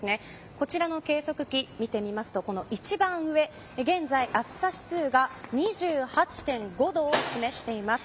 こちらの計測器、見てみますと現在、暑さ指数が２８．５度を示しています。